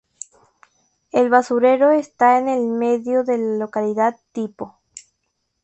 El basurero está en el medio de la localidad tipo.